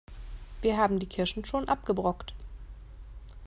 Wir haben die Kirschen schon abgebrockt.